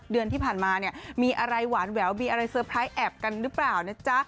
เดือนที่ผ่านมาเนี่ยมีอะไรหวานแหววมีอะไรเซอร์ไพรส์แอบกันหรือเปล่านะจ๊ะ